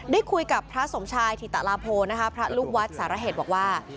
ได้คุยกับพระสมชายถิตลาโพนะคะพระลูกวัดสารเหตุบอกว่า